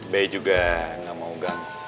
b juga gak mau gang